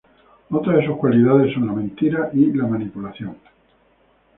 Otra de sus cualidades son la mentira y la manipulación.